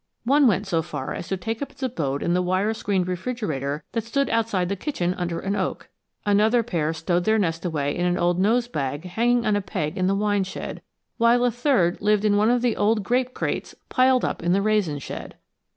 One went so far as to take up its abode in the wire screened refrigerator that stood outside the kitchen under an oak! Another pair stowed their nest away in an old nosebag hanging on a peg in the wine shed; while a third lived in one of the old grape crates piled up in the raisin shed.